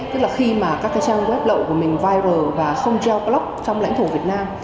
tức là khi mà các trang web lậu của mình viral và không treo blog trong lãnh thổ việt nam